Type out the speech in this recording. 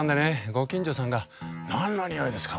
ご近所さんが「何の匂いですか？